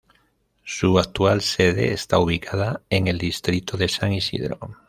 Su actual sede está ubicada en el distrito de San Isidro.